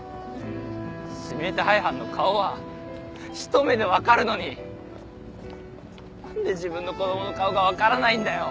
指名手配犯の顔はひと目でわかるのになんで自分の子供の顔がわからないんだよ！